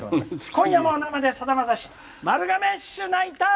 「今夜も生でさだまさし丸亀ッシュナイター！」。